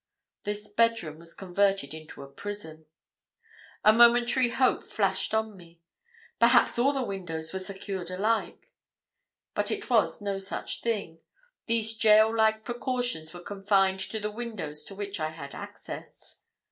This bedroom was converted into a prison. A momentary hope flashed on me perhaps all the windows were secured alike! But it was no such thing: these gaol like precautions were confined to the windows to which I had access.